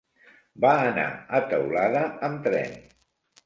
Va anar a Teulada amb tren.